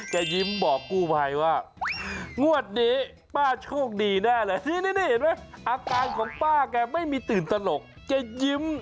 ยิ้มบอกกู้ภัยว่างวดนี้ป้าโชคดีแน่เลยนี่เห็นไหมอาการของป้าแกไม่มีตื่นตลกแกยิ้ม